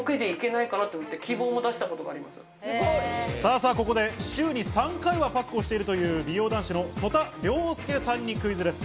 さぁ、ここで週に３回はパックをしているという美容男子の曽田陵介さんにクイズです。